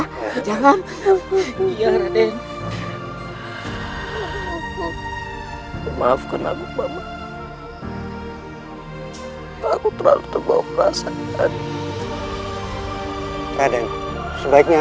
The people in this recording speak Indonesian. hai jangan iya raden maafkan aku mama takut terlalu terbawa perasaan raden raden sebaiknya